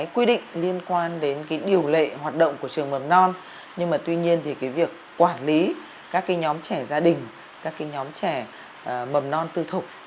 quy định liên quan đến điều lệ hoạt động của trường mầm non nhưng mà tuy nhiên thì cái việc quản lý các nhóm trẻ gia đình các nhóm trẻ mầm non tư thục